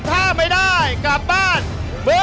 ถ้าไม่ได้กลับบ้านเบอร์เปล่า